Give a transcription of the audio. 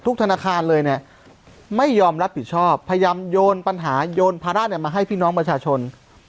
ธนาคารเลยเนี่ยไม่ยอมรับผิดชอบพยายามโยนปัญหาโยนภาระมาให้พี่น้องประชาชน